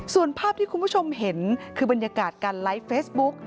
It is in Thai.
ส่วนภาพที่คุณผู้ชมเห็นคือบรรยากาศการไลฟ์เฟซบุ๊ก